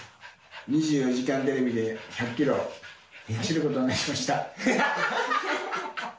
２４時間テレビで１００キロ、走ることになりました。